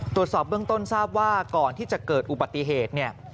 ตรวจสอบเบื้องต้นทราบว่าก่อนที่จะเกิดอุบัติเหตุเนี่ย